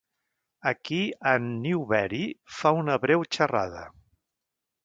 Aquí en Newbery va fer una breu xerrada.